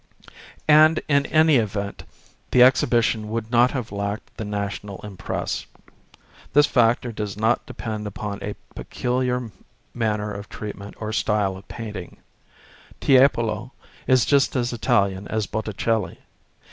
And in any event the exhibition would not have lacked the national impress. This factor does not depend upon a peculiar manner of treatment or style of painting; Tiepolo is just as Italian as Botticelli.